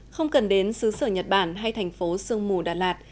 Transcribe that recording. không cần đến xứ sở nhật bản hay thành phố sương mù đà lạt